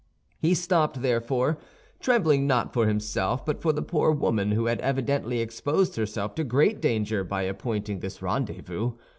He stopped, therefore, trembling not for himself but for the poor woman who had evidently exposed herself to great danger by appointing this rendezvous.